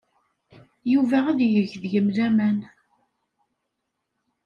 Yuba ad yeg deg-m laman.